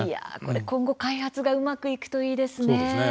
今後開発がうまくいくといいですね。